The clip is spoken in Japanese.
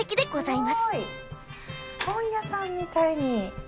本屋さんみたいに。